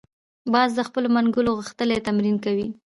باز د خپلو منګولو غښتلي تمرین کوي